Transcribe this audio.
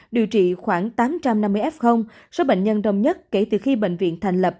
điều trị khoảng tám trăm năm mươi f số bệnh nhân đông nhất kể từ khi bệnh viện thành lập